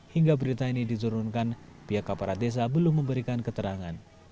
hingga berita ini diturunkan pihak aparat desa belum memberikan keterangan